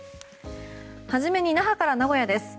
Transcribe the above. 初めに那覇から名古屋です。